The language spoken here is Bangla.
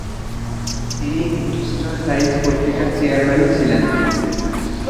তিনি হিন্দুস্তান টাইমস পত্রিকার চেয়ারম্যানও ছিলেন।